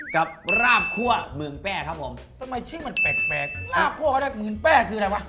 กับราบคั่วเมืองแป้ครับผมทำไมชิ้นมันแปลกราบคั่วก็ได้ปืนแป้คืออะไรวะ